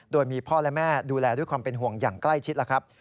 โดยมีพ่อและแม่ดูแลด้วยความเป็นห่วงอย่างใกล้ชิดแล้วครับ